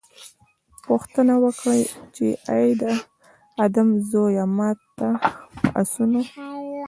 پوښتنه وکړي چې اې د آدم زويه! ما ته په آسونو